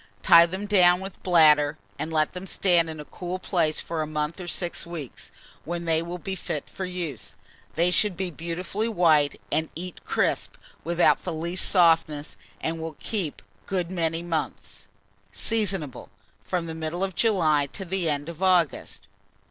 Tie them down with bladder, and let them stand in a cool place for a month or six weeks, when they will be fit for use. They should be beautifully white, and eat crisp, without the least softness, and will keep good many months. Seasonable from the middle of July to the end of August.